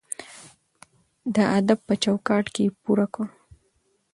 د ادب په چوکاټ کې یې پوره کړو.